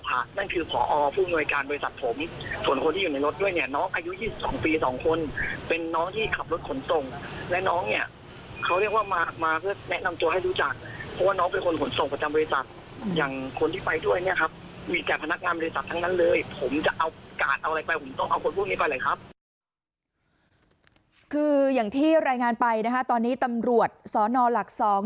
คืออย่างที่รายงานไปนะคะตอนนี้ตำรวจสนหลักสอง